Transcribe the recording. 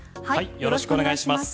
よろしくお願いします。